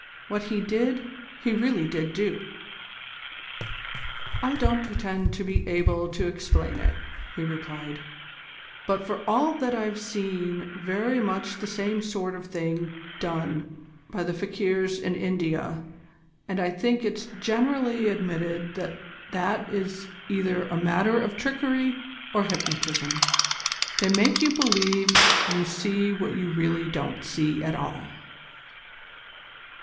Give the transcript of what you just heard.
What he did, he really did do." "I don't pretend to be able to explain it," he replied, "but for all that I've seen very much the same sort of thing done by the fakirs in India, and I think it's generally admitted that that is either a matter of trickery or hypnotism. They make you believe you see what you really don't see at all."